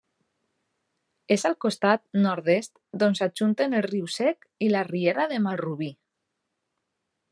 És al costat nord-est d'on s'ajunten el Riu Sec i la riera de Malrubí.